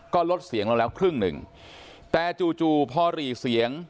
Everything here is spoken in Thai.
ก็ลดเสียงเราแล้วครึ่งหนึ่งแต่จู่จู่พอหรี่เสียง